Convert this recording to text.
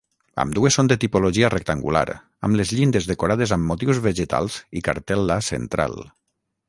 Ambdues són de tipologia rectangular, amb les llindes decorades amb motius vegetals i cartel·la central.